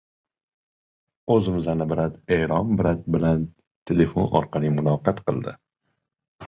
Shavkat Mirziyoyev Eron Prezidenti bilan telefon orqali muloqot qildi